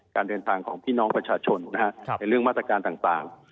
การเดินทางของพี่น้องประชาชนในเรื่องมาตรการต่าง